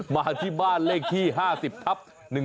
มาที่บ้านเลขที่๕๐ทับ๑๒